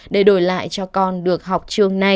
để đổi lại cho con được học trường này